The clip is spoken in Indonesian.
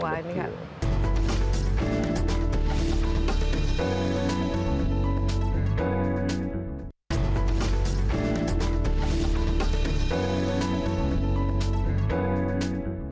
wah ini kan